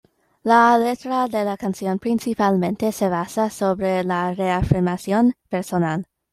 La letra de la canción principalmente se basa sobre la reafirmación personal.